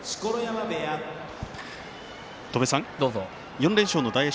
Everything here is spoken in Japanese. ４連勝の大栄